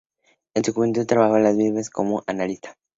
En su juventud trabajó en las minas como analista.